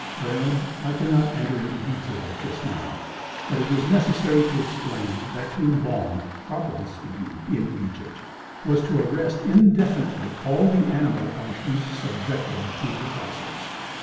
Well I cannot enter into details just now: but it is necessary to explain that to embalm (properly speaking), in Egypt, was to arrest indefinitely all the animal functions subjected to the process.